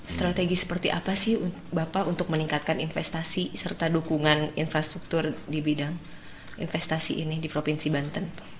strategi seperti apa sih bapak untuk meningkatkan investasi serta dukungan infrastruktur di bidang investasi ini di provinsi banten